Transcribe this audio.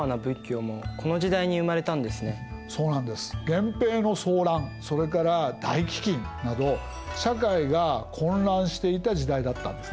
源平の争乱それから大飢饉など社会が混乱していた時代だったんですね。